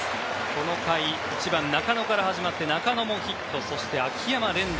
この回、１番の中野から始まり中野もヒット、秋山、連打。